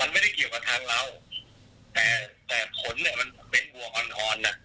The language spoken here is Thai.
มันไม่ได้เกี่ยวกับทางเราแต่ผลมันเป็นบัวอ่อนน่ะ